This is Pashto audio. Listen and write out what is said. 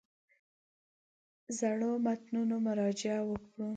زړو متنونو مراجعې وکړو.